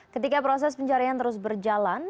ketika proses pencarian terus berjalan